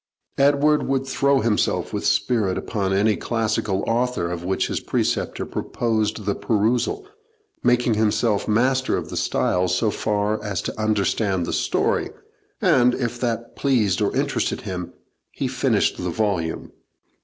Edward would throw himself with spirit upon any classical author of which his preceptor proposed the perusal, make himself master of the style so far as to understand the story, and, if that pleased or interested him, he finished the volume.